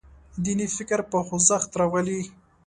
دیني فکر په خوځښت راولي.